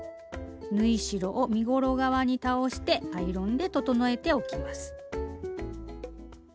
縫い代を身ごろ側に倒してアイロンで整えておきます。